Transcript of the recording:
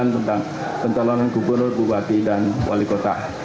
tentang pencalonan gubernur bupati dan wali kota